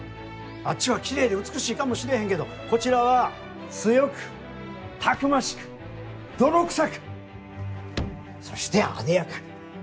あっちはきれいで美しいかもしれへんけどこちらは「強く逞しく泥臭く」そして「艶やかに」。